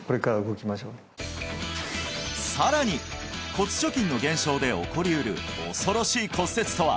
さらに骨貯金の減少で起こりうる恐ろしい骨折とは！？